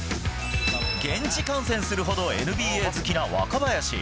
現地観戦するほどＮＢＡ好きな若林。